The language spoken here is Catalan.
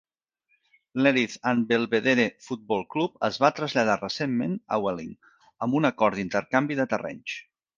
L'Erith and Belvedere Football Club es va traslladar recentment a Welling amb un acord d'intercanvi de terrenys.